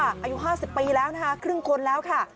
อายุ๕๐ปีแล้วนะคะครึ่งคนแล้วค่ะ